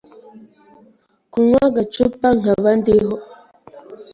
kunywa agacupa nk’abandi ho,